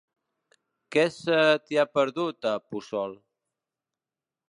Què se t'hi ha perdut, a Puçol?